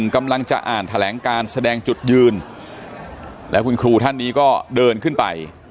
การแสดงจุดยืนแล้วคุณครูท่านนี้ก็เดินขึ้นไป